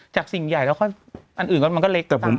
ทางใหญ่แล้วก็คนอื่นก็เล็กตาม